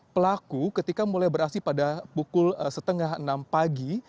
pelaku ketika mulai beraksi pada pukul setengah enam pagi